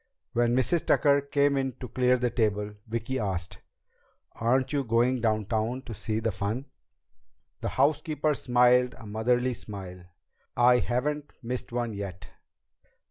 When Mrs. Tucker came in to clear the table, Vicki asked, "Aren't you going downtown to see the fun?" The housekeeper smiled a motherly smile. "I haven't missed one yet."